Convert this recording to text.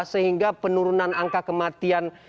sehingga penurunan angka kematian